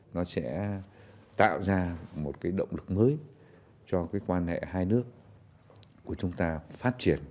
nó sẽ tạo ra một động lực mới cho quan hệ hai nước của chúng ta phát triển